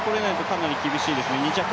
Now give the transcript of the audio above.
かなり厳しいですね。